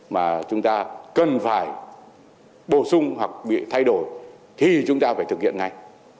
mà chúng ta cần phải bổ sung hoặc bị thay đổi thì chúng ta phải thực hiện ngay